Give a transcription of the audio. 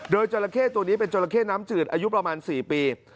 โดยจราเข้ตัวนี้เป็นจราเข้น้ำจืดอายุประมาณ๔ปี